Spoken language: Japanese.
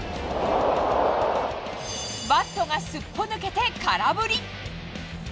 バットがすっぽ抜けて空振り。